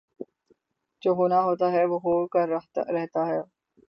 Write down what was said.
جو ہونا ہوتاہےوہ ہو کر رہتا ہے